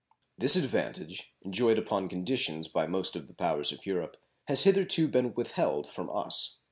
This advantage, enjoyed upon conditions by most of the powers of Europe, has hitherto been withheld from us.